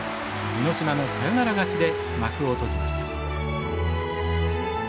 箕島のサヨナラ勝ちで幕を閉じました。